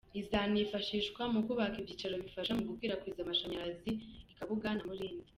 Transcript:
Izanifashishwa mu kubaka ibyicaro bifasha mu gukwirakwiza amashanyarazi i Kabuga na Murindi.